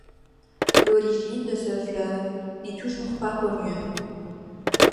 L'origine de ce fleuve n'est toujours pas connue.